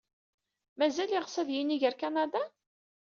Mazal yeɣs ad yinig ɣer Kanada?